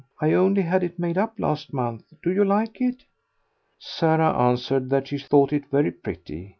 I only had it made up last month. Do you like it?" Sarah answered that she thought it very pretty.